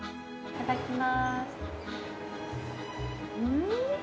いただきますうん！